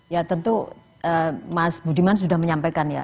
ya tentu mas budiman sudah menyampaikan ya